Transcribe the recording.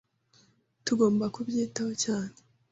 Tugomba kubyitaho cyane.